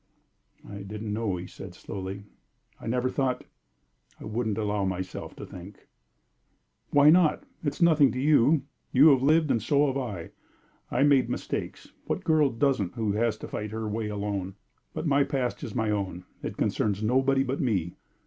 "I didn't know," he said, slowly. "I never thought I wouldn't allow myself to think " "Why not? It is nothing to you. You have lived, and so have I. I made mistakes what girl doesn't who has to fight her way alone? But my past is my own; it concerns nobody but me."